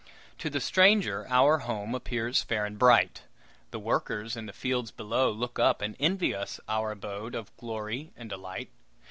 To the stranger, our home appears fair and bright. The workers in the fields below look up and envy us our abode of glory and delight!